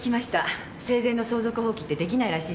生前の相続放棄ってできないらしいじゃないですか。